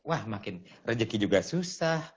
wah makin rejeki juga susah